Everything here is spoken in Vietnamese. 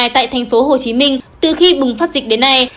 tại tp hcm từ khi bùng phát dịch đến nay